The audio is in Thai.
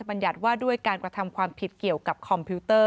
บรรยัติว่าด้วยการกระทำความผิดเกี่ยวกับคอมพิวเตอร์